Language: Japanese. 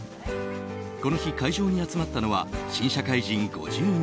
この日、会場に集まったのは新社会人５２人。